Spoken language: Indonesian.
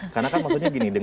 karena kan maksudnya gini